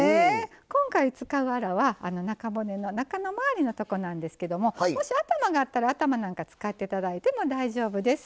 今回使うアラは中骨の中の周りのとこなんですけどももし頭があったら頭なんか使っていただいても大丈夫です。